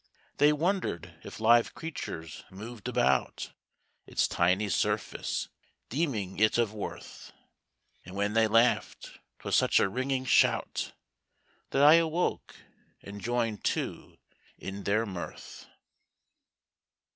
They wondered if live creatures moved about Its tiny surface, deeming it of worth. And then they laughed 'twas such a ringing shout That I awoke and joined too in their mirth.